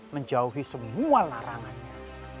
menjauhi semua larangannya